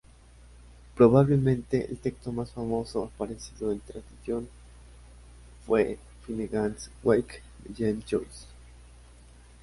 Probablemente el texto más famoso aparecido en "transition" fue "Finnegans Wake", de James Joyce.